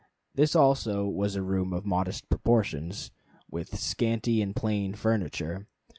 This also was a room of modest proportions, with scanty and plain furniture.